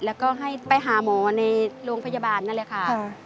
แล้วก็ให้ไปหาหมอในโรงพยาบาลนั่นแหละค่ะ